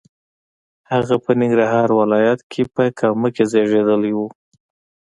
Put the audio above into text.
هغه په ننګرهار ولایت په کامه کې زیږېدلی و.